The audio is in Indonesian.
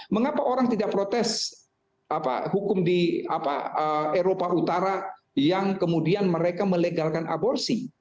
mengapa orang tidak protes hukum di eropa utara yang kemudian mereka melegalkan aborsi